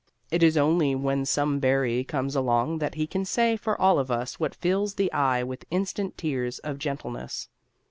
It is only when some Barrie comes along that he can say for all of us what fills the eye with instant tears of gentleness.